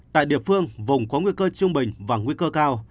tại địa phương vùng có nguy cơ trung bình và nguy cơ cao